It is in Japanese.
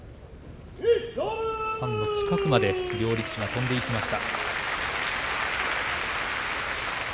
ファンの近くまで両力士が飛んでいきました。